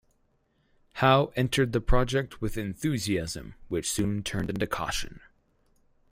Howe entered the project with enthusiasm which soon turned into caution.